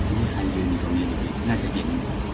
นี่คันยืนตรงนี้น่าจะเย็น